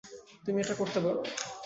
তুমি এটা করতে পারো।